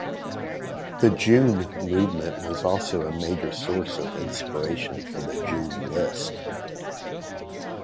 The June Movement was also a major source of inspiration for the June List.